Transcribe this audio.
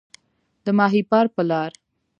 د ماهیپر په لار